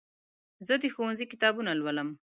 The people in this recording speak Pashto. زه د ښوونځي کتابونه لولم.